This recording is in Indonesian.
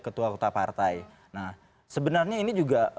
ketua ketua partai nah sebenarnya ini juga